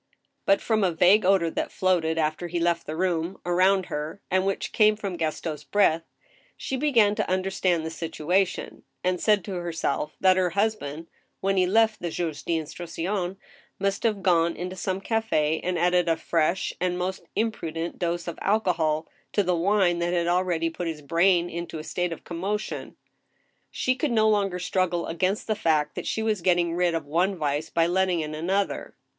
But from a vague odor that floated, after he left the room, around her, and which came from Gaston's breath, she began to understand the situation, and said to herself that her husband, when he left the juge d* instruction, must have gone into some cafe and added a l82 '^^^ STEEL HAMMER. fresh and most imprudent dose of alcohol to the wine that had al ready put his brain into a state of commotion. She could no longer struggle against the fact that she was get ting rid of one vice by letting in another.